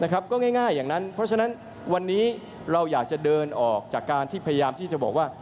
ก็ง่ายอย่างนั้นเพราะฉะนั้นวันนี้เราอยากจะเดินออกจากการที่พยายามที่จะบอกว่า